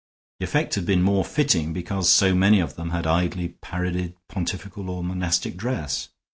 The effect had been more fitting because so many of them had idly parodied pontifical or monastic dress.